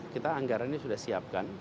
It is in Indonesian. kita anggaran ini sudah siapkan